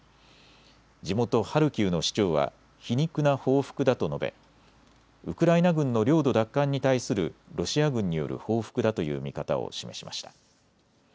地元ハルキウの市長は皮肉な報復だと述べウクライナ軍の領土奪還に対するロシア軍による報復だという見方を示しました。